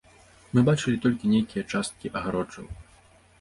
Мы бачылі толькі нейкія часткі агароджаў.